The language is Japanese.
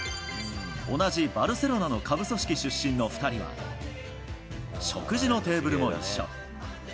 同じバルセロナの下部組織出身の２人は、食事のテーブルも一緒。